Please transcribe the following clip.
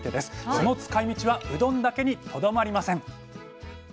その使いみちはうどんだけにとどまりません。